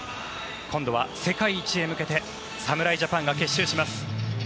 今度は世界一へ向けて侍ジャパンが結集します。